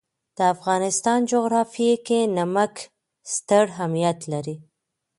د افغانستان جغرافیه کې نمک ستر اهمیت لري.